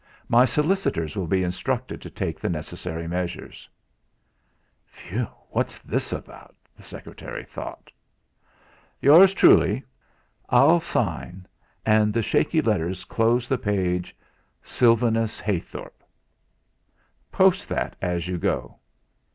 My solicitors will be instructed to take the necessary measures." '.hew What's all this about?' the secretary thought. "Yours truly...." "I'll sign." And the shaky letters closed the page: "SYLVANUS HEYTHORP." "Post that as you go."